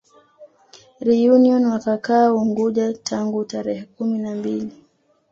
Reunion wakakaa Unguja tangu tarehe kumi na mbili